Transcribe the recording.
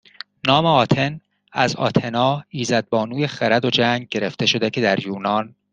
نام آتن از آتنا ایزدبانوی خرد و جنگ گرفته شده که در یونان